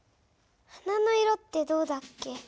花の色ってどうだっけ？